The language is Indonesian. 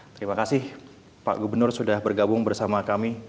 terima kasih pak gubernur sudah bergabung bersama kami